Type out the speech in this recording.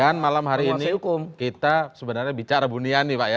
dan malam hari ini kita sebenarnya bicara bunian nih pak ya